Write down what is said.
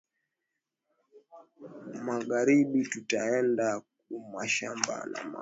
Mangaribi tutenda ku mashamba na mama